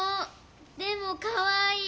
でもかわいい！